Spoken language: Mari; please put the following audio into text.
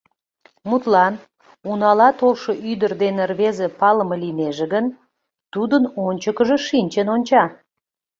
Мутлан, унала толшо ӱдыр дене рвезе палыме лийнеже гын, тудын ончыкыжо шинчын онча.